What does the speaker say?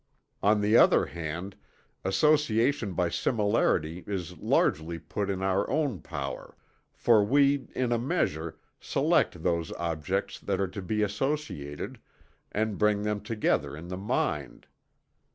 On the other hand, association by similarity is largely put in our own power; for we, in a measure, select those objects that are to be associated, and bring them together in the mind.